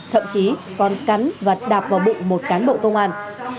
thậm chí còn cắn và đạp vào bụng một cán bộ công an